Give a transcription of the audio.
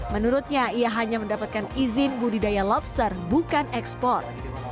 menurutnya ia hanya mendapatkan izin budidaya lobster bukan ekspor